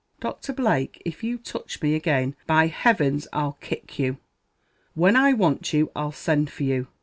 "Doctor Blake, if you touch me again, by heavens I'll kick you! when I want you, I'll send for you.